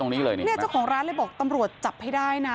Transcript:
เนี่ยเจ้าของร้านเลยบอกตำรวจจับให้ได้นะ